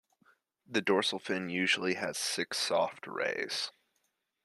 The dorsal fin usually has six soft rays.